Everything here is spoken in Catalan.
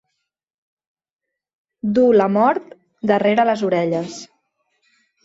Dur la mort darrere les orelles.